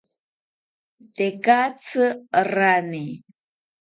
Tekatzi rane